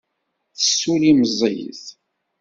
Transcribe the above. Tessulli meẓẓiyet.